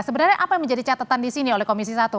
sebenarnya apa yang menjadi catatan di sini oleh komisi satu